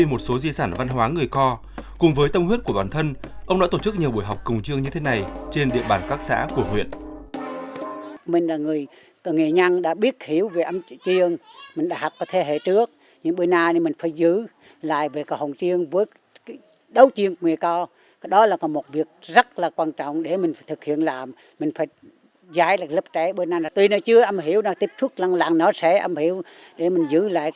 một số sản phẩm của chúng ta cũng về vấn đề xây dựng thương hiệu nhãn mác hóa còn chưa được nhiều